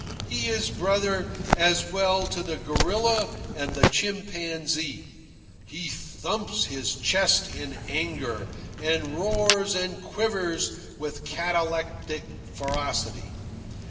He is brother as well to the gorilla and the chimpanzee. He thumps his chest in anger, and roars and quivers with cataleptic ferocity.